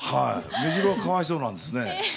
メジロはかわいそうなんですね。